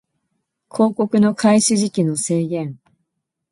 広告の開始時期の制限